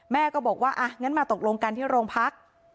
แม่ก็บอกว่าอ่ะงั้นมาตกลงกันที่โรงพัก